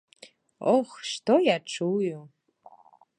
Ох, што я чую.